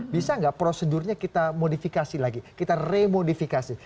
bisa nggak prosedurnya kita modifikasi lagi kita remodifikasi